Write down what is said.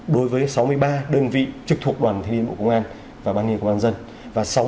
đối với sáu mươi ba đơn vị trực thuộc đoàn thanh niên bộ công an và ban thanh niên công an nhân dân